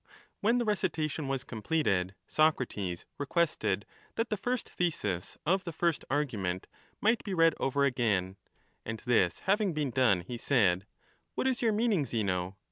When the recitation was completed, Socrates requested that the first thesis of the first argument might be read over again, and this having been done, he said : What is your meaning, Zeno